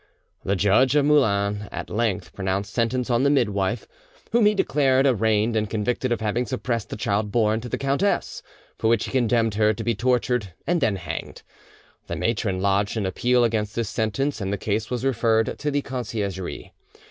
The judge of Moulins at length pronounced sentence on the midwife, whom he declared arraigned and convicted of having suppressed the child born to the countess; for which he condemned her to be tortured and then hanged. The matron lodged an appeal against this sentence, and the case was referred to the Conciergerie.